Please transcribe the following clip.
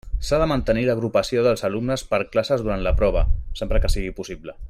S'ha de mantenir l'agrupació dels alumnes per classes durant la prova, sempre que sigui possible.